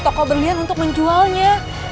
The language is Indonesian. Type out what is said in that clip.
toko berlian untuk menjualnya